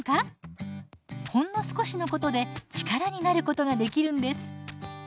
ほんの少しのことで力になることができるんです。